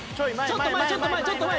ちょっと前ちょっと前！